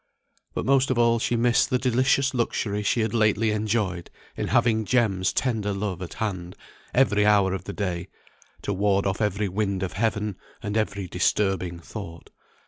But most of all she missed the delicious luxury she had lately enjoyed in having Jem's tender love at hand every hour of the day, to ward off every wind of heaven, and every disturbing thought.